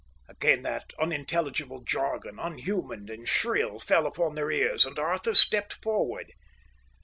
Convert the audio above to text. Again that unintelligible jargon, unhuman and shrill, fell upon their ears, and Arthur stepped forward.